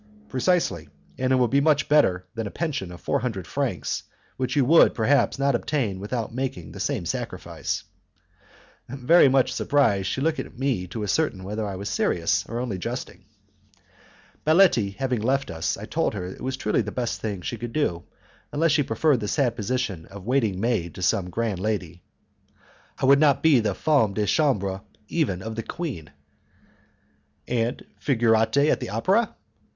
"Precisely; and that will be much better than a pension of four hundred francs, which you would, perhaps, not obtain without making the same sacrifice." Very much surprised, she looked at me to ascertain whether I was serious or only jesting. Baletti having left us, I told her it was truly the best thing she could do, unless she preferred the sad position of waiting maid to some grand lady. "I would not be the 'femme de chambre' even of the queen." "And 'figurante' at the opera?"